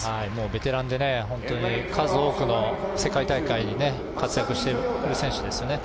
ベテランで、本当に数多くの世界大会で活躍している選手ですよね。